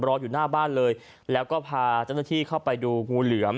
รออยู่หน้าบ้านเลยแล้วก็พาเจ้าหน้าที่เข้าไปดูงูเหลือม